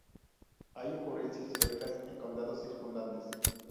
Hay ocurrencias históricas en condados circundantes.